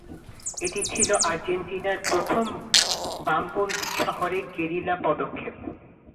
এটি ছিল আর্জেন্টিনার প্রথম বামপন্থী শহুরে গেরিলা পদক্ষেপ।